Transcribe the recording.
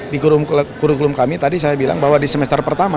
di kurikulum kami tadi saya bilang bahwa di semester pertama